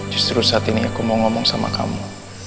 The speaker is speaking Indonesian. justru saat ini aku mau ngomong sama kamu